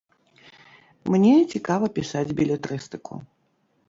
Мне цікава пісаць белетрыстыку.